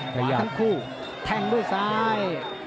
ทังคู่แทงด้วยซ้าย